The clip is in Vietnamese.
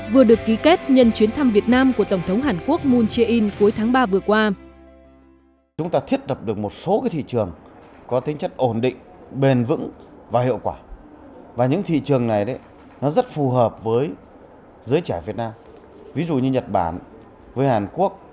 vừa được ký kết nhân chuyến thăm việt nam của tổng thống hàn quốc moon jae in cuối tháng ba vừa qua